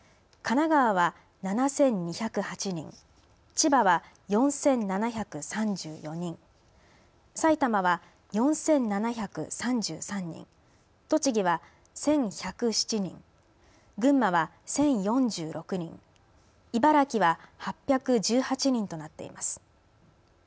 神奈川は７２０８人、千葉は４７３４人、埼玉は４７３３人、栃木は１１０７人、群馬は１０４６人、茨城は８１８人となっています。